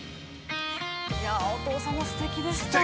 ◆お父さん、すてきでしたね。